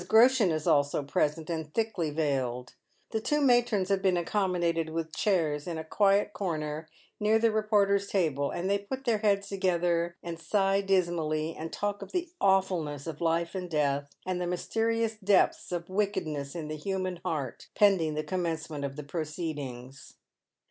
Groshen is also present and thickly veiled. Thai two matrons have been accommodated with chairs in a quiet corner near the reporters' table, and they put their heads together, and sigh dismally, and talk of the awfulness of life and death, and the mysterious depths of wickedness in the human heart, pending the connnencement pf the proceedings.